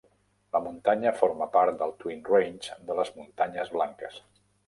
La muntanya forma part del Twin Range de les Muntanyes blanques.